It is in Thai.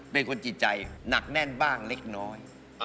เป็นคนจิตใจหนักแน่นบ้างเล็กน้อย